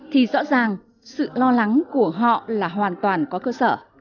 thì rõ ràng sự lo lắng của họ là hoàn toàn có cơ sở